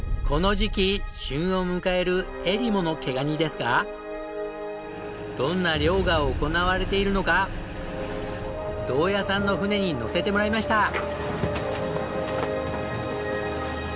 この時期旬を迎えるえりもの毛ガニですがどんな漁が行われているのか銅谷さんの船に乗せてもらいました。